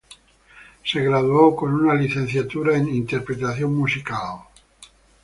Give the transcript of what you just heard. Se graduó con una licenciatura en Interpretación Musical.